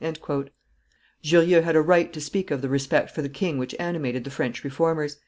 Jurieu had a right to speak of the respect for the king which animated the French Reformers.